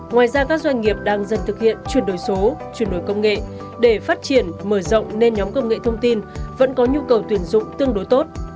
ngoài ra các doanh nghiệp đang dần thực hiện chuyển đổi số chuyển đổi công nghệ để phát triển mở rộng nên nhóm công nghệ thông tin vẫn có nhu cầu tuyển dụng tương đối tốt